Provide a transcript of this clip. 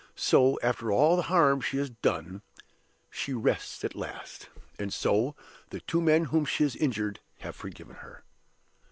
So, after all the harm she has done, she rests at last; and so the two men whom she has injured have forgiven her.